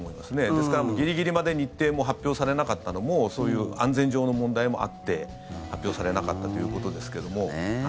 ですから、ギリギリまで日程も発表されなかったのもそういう安全上の問題もあって発表されなかったということですけども。